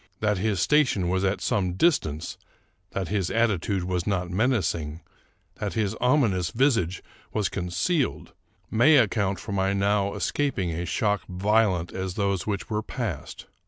That his station was at some distance, that his attitude was not menacing, that his ominous visage was concealed, may account for my now escaping a shock vio lent as those which were past.